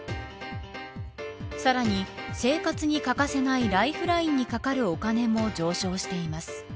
さらに生活に欠かせないライフラインにかかるお金も上昇しています。